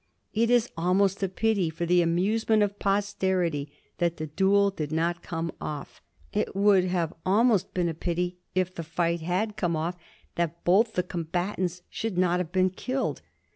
It is almost a pity for the amusement of posterity that the duel did not come off. It would have almost been a pity, if the fight had come off, that both the combatants should not have been killed.